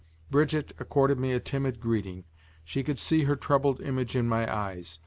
Brigitte accorded me a timid greeting; she could see her troubled image in my eyes.